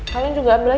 kalian juga ambil aja